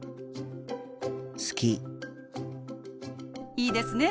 いいですね。